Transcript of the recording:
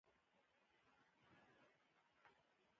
هیڅوک پیدا نشول، دې خوږې ښکلې سودا ته